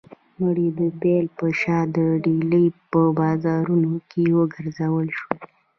مړی د پیل په شا د ډیلي په بازارونو کې وګرځول شو.